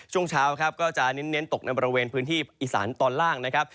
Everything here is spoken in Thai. ช่วงเช้าครับก็จะเน้นตกในบริเวณพื้นที่อีสานตอนล่างนะครับ